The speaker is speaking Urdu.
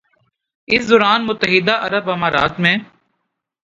اس دوران متحدہ عرب امارات میں